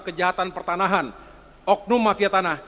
kejahatan pertanahan oknum mafia tanah